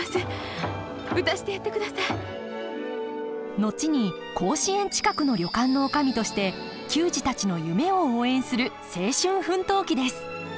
後に甲子園近くの旅館の女将として球児たちの夢を応援する青春奮闘記です。